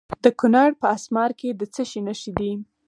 د کونړ په اسمار کې د څه شي نښې دي؟